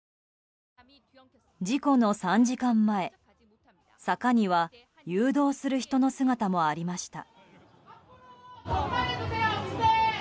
事故の３時間前、坂には誘導する人の姿もありました。